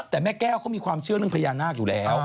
แต่แม่แก้วเขามีความเชื่อเรื่องพญานาคอยู่แล้ว